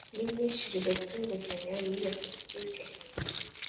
N imyishyurire by inguzanyo iyo politiki